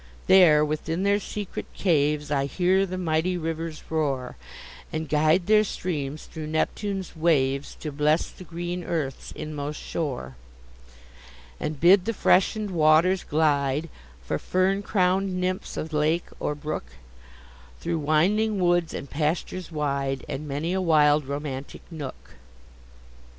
There, within their secret cares, I hear the mighty rivers roar; And guide their streams through Neptune's waves To bless the green earth's inmost shore: And bid the freshen'd waters glide, For fern crown'd nymphs of lake, or brook, Through winding woods and pastures wide, And many a wild, romantic nook.